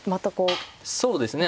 そうですね